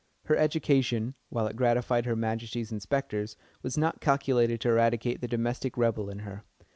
Her education, while it gratified Her Majesty's Inspectors, was not calculated to eradicate the domestic rebel in her.